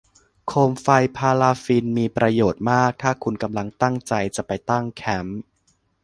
โคมไฟพาราฟินมีประโยชน์มากถ้าคุณกำลังตั้งใจจะไปตั้งแคมป์